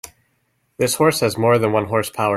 This horse has more than one horse power.